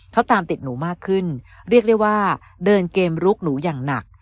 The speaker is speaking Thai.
เขาตามติดหนูมากขึ้นเรียกได้ว่าเดินเกมลุกหนูอย่างหนัก